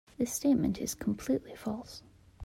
This statement is completely false.